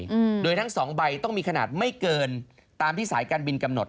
อืมโดยทั้งสองใบต้องมีขนาดไม่เกินตามที่สายการบินกำหนด